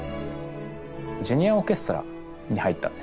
ジュニアオーケストラに入ったんです。